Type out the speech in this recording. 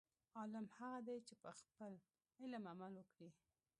عالم هغه دی، چې په خپل علم عمل وکړي.